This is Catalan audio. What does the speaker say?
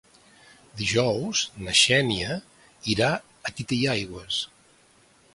Dijous na Xènia irà a Titaigües.